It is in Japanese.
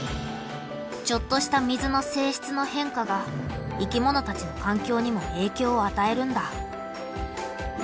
ちょっとした水の性質の変化が生き物たちのかんきょうにもえいきょうをあたえるんだ。